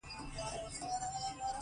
مرګ ته خاندي